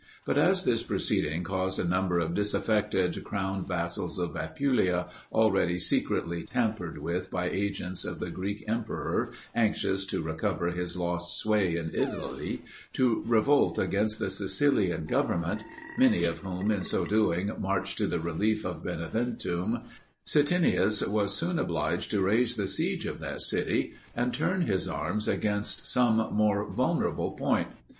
But as this proceeding caused a number of disaffected crown vassals of Apulia, already secretly tampered with by agents of the Greek emperor, anxious to recover his lost sway in Italy, to revolt against the Sicilian government, many of whom in so doing marched to the relief of Beneventum, Scitinius was soon obliged to raise the siege of that city, and turn his arms against some more vulnerable point.